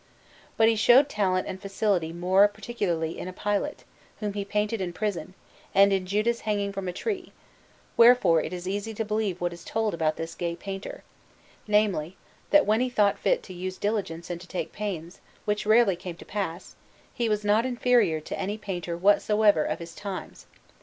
But he showed talent and facility more particularly in a Pilate, whom he painted in prison, and in Judas hanging from a tree; wherefore it is easy to believe what is told about this gay painter namely, that when he thought fit to use diligence and to take pains, which rarely came to pass, he was not inferior to any painter whatsoever of his times.